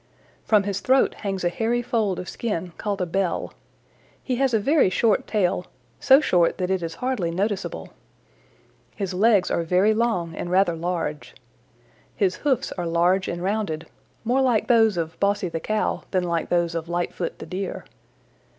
"From his throat hangs a hairy fold of skin called a bell. He has a very short tail, so short that it is hardly noticeable. His legs are very long and rather large. His hoofs are large and rounded, more like those of Bossy the Cow than like those of Lightfoot the Deer.